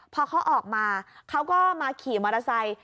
พอเขาออกมาเขาก็มาขี่มอเตอร์ไซค์